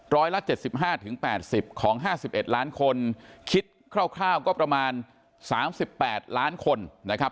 ร้อยละ๗๕๘๐ของ๕๑ล้านคนคิดคร่าวก็ประมาณ๓๘ล้านคนนะครับ